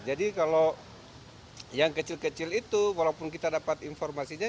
jadi kalau yang kecil kecil itu walaupun kita dapat informasinya